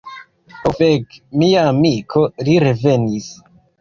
Ho fek. Mia amiko, li revenis.